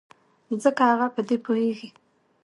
ځکه هغه په دې پوهېږي.